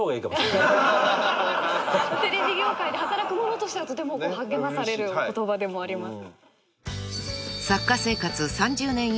テレビ業界で働く者としてはとても励まされるお言葉でもあります。